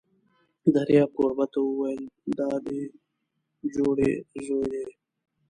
دریاب کوربه ته وویل: دا دې جوړې زوی دی!